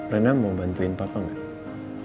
rena mau bantuin papa nggak